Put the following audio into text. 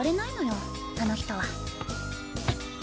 あの人は。